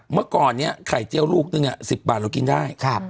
เมื่อก่อนนี้ไข่เจียวลูกนึง๑๐บาทเรากินได้